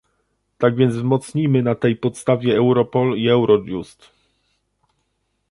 Tak więc wzmocnijmy na tej podstawie Europol i Eurojust